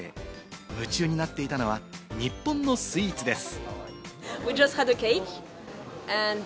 夢中になっていたのは日本のスイーツです。